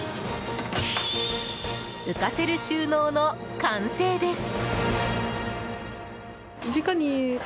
浮かせる収納の完成です。